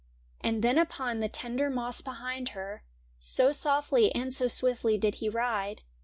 And then upon the tender moss behind her. So softly and so swiftly did he ride.